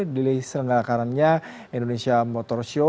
di selenggara kanannya indonesia motor show